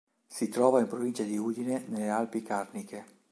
Si trova in provincia di Udine nelle Alpi Carniche.